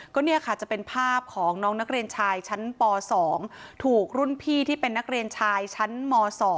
ก็เนี่ยค่ะจะเป็นภาพของน้องนักเรียนชายชั้นป๒ถูกรุ่นพี่ที่เป็นนักเรียนชายชั้นม๒